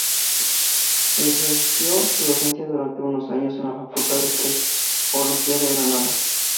Ejerció su docencia durante unos años en la Facultad de Teología de Granada.